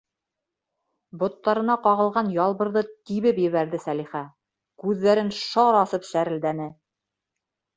Боттарына ҡағылған Ялбырҙы тибеп ебәрҙе Сәлихә, күҙҙәрен шар асып сәрелдәне: